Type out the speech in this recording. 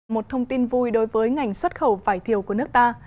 một thông tin vui đối với ngành xuất khẩu vải thiều của nước ta